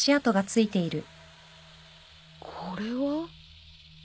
これは。